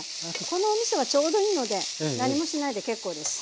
このおみそはちょうどいいので何もしないで結構です。